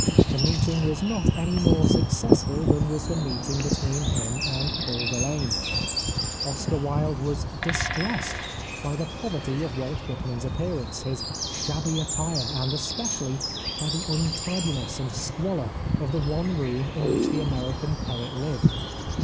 The meeting was not any more successful than was the meeting between him and Paul Verlaine. Oscar Wilde was " distressed " by the poverty of Walt Whit man's appearance, his shabby attire, and especi ally by the untidiness and squalor of the one room in which the American poet lived.